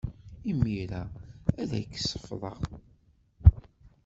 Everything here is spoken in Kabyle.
Imir-a, ad k-sefḍeɣ.